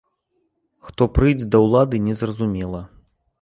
Хто прыйдзе да ўлады, не зразумела.